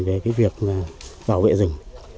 về việc bảo vệ rừng